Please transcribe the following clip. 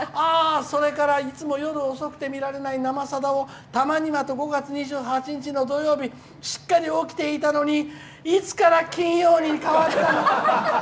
それからいつも夜遅くて見られない「生さだ」をたまには５月２８日の土曜日しっかり起きていたのにいつから金曜に変わったの！